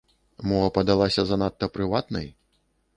Мо падалася занадта прыватнай?